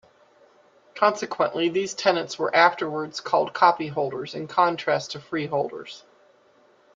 Consequently, these tenants were afterwards called copyholders, in contrast to freeholders.